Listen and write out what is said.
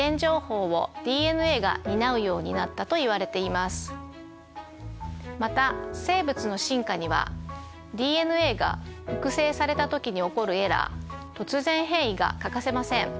そしてまた生物の進化にはＤＮＡが複製された時に起こるエラー「突然変異」が欠かせません。